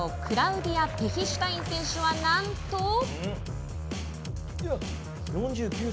クラウディア・ペヒシュタイン選手は何と。